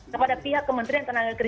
kepada pihak kementerian tenaga kerja